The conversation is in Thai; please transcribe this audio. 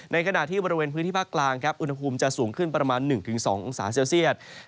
ในขณะที่บริเวณพื้นที่ภาคกลางครับอุณหภูมิจะสูงขึ้นประมาณ๑๒องศาเซลเซียต